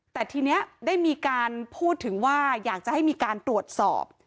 แต่ทีนี้ได้มีการพูดถึงว่าอยากจะให้มีการตรวจสอบ